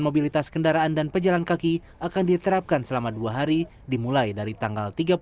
mobilitas kendaraan dan pejalan kaki akan diterapkan selama dua hari dimulai dari tanggal